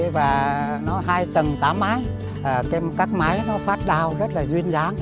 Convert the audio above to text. và nó hai tầng tá mái các mái nó phát đào rất là duyên dáng